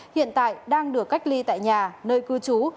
hiện tại đang được cách ly tại nhà nơi cư trú